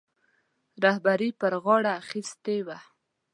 رهبري پر غاړه اخیستې وه.